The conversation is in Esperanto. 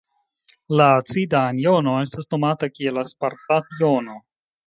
La acida anjono estas nomata kiel aspartat-jono.